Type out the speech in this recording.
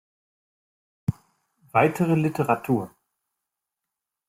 Weitere Literatur